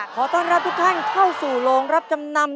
ขอต้อนรับทุกท่านเข้าสู่โรงรับจำนำ